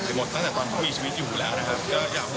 ก็จะช่วยดูแลพวกเขาให้เป็นที่ช่วยในสิ่งที่สามารถช่วยได้ให้เป็นที่